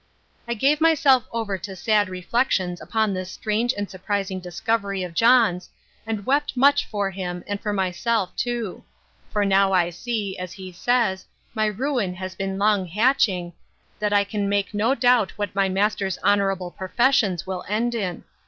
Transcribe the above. I gave myself over to sad reflections upon this strange and surprising discovery of John's, and wept much for him, and for myself too; for now I see, as he says, my ruin has been long hatching, that I can make no doubt what my master's honourable professions will end in.